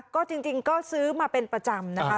ก็จริงก็ซื้อมาเป็นประจำนะคะ